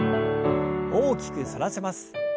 大きく反らせます。